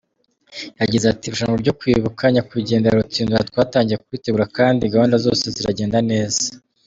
Yagize ati “Irushanwa ryo kwibuka nyakwigendera Rutsindura twatangiye kuritegura kandi gahunda zose ziragenda neza.